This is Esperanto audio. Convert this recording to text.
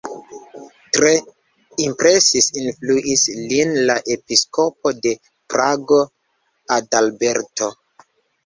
Tre impresis, influis lin la episkopo de Prago, Adalberto.